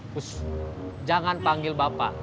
bus jangan panggil bapak